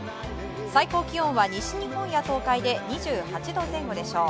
最高気温は西日本や東海で２８度前後でしょう。